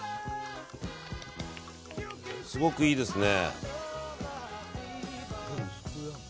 すごくいいですね。